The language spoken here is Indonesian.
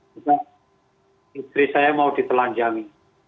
karena istri saya mau ditelanjangi